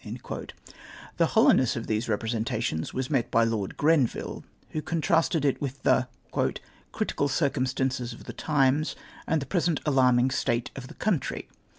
T]ie hollowness of these representations was met by Lord Gren\dlle, who contrasted it with the " critical circumstances of the times, and the present alarming state of the country.